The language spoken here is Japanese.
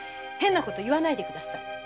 変なこと言わないでください